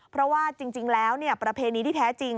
เพราะว่าจริงแล้วประเพณีที่แท้จริง